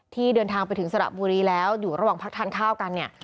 ที่เดินทางไปถึงสระบุรีแล้วอยู่ระหว่างพักทานข้าวกันเนี่ย